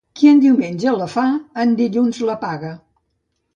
Qui en diumenge la fa, en dilluns la paga.